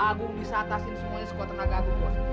agung bisa atasin semuanya sekuat tenaga bos